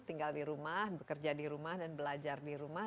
tinggal di rumah bekerja di rumah dan belajar di rumah